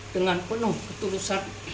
dengan penuh ketulusan